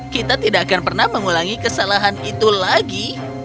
kita tidak akan pernah mengulangi kesalahan itu lagi